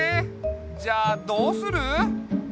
じゃあどうする？